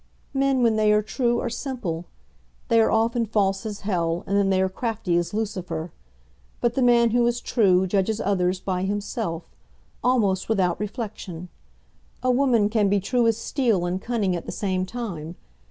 "Men when they are true are simple. They are often false as hell, and then they are crafty as Lucifer. But the man who is true judges others by himself, almost without reflection. A woman can be true as steel and cunning at the same time.